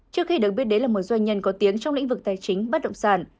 trước khi được biết đấy là một doanh nhân có tiếng trong lĩnh vực tài chính bắt động sản